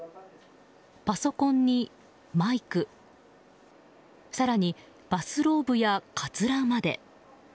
パソコンにマイク更にバスローブやかつらまで。